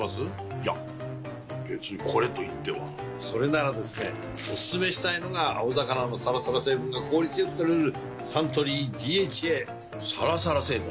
いや別にこれといってはそれならですねおすすめしたいのが青魚のサラサラ成分が効率良く摂れるサントリー「ＤＨＡ」サラサラ成分？